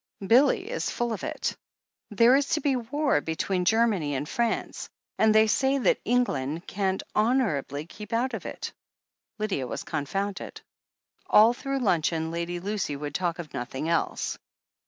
Billy is full of it. There is to be war be tween Germany and France, and they say that England can't honourably keep out of it." Lydia was confounded. All through luncheon Lady Lucy would talk of nothing else.